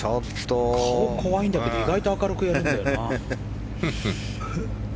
顔が怖いんだけど意外と明るいんだよな。